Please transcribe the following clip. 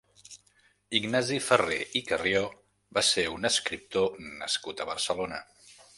Ignasi Ferrer i Carrió va ser un escriptor nascut a Barcelona.